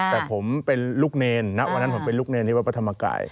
แต่ผมเป็นลูกเนรณวันนั้นผมเป็นลูกเนรที่วัดพระธรรมกาย